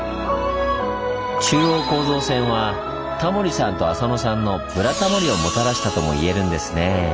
中央構造線はタモリさんと浅野さんの「ブラタモリ」をもたらしたとも言えるんですねぇ。